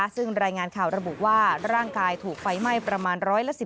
ซึ่งรายงานข่าวระบุว่าร่างกายถูกไฟไหม้ประมาณ๑๑๐